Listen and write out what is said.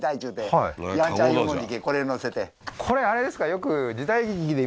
これあれですか？